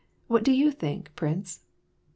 What do you think, prince ?